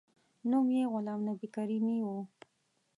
نوم یې غلام نبي کریمي و.